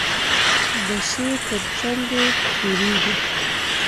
د شی تر څنډو تیریږي.